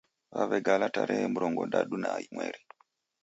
Waw'egala tarehe murongodadu na imweri